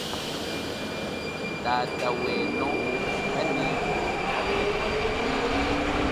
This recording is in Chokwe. Tata weno kaneza hamene.